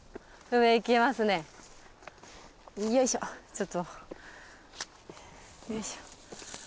ちょっとよいしょ。